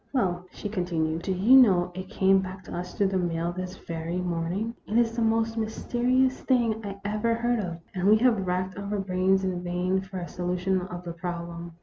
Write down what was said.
" Well," she continued, " do you know, it came back to us through the mail this very morning ? It is the most mysterious thing I ever heard of, and we have racked our brains in vain for a solution of the problem.